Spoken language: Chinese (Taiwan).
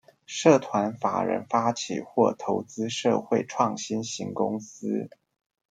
社團法人發起或投資社會創新型公司